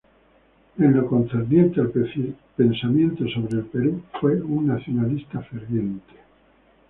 En lo concerniente al pensamiento sobre el Perú, fue un nacionalista ferviente.